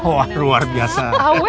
wah luar biasa